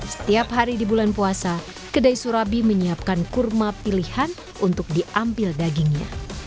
setiap hari di bulan puasa kedai surabi menyiapkan kurma pilihan untuk diambil dagingnya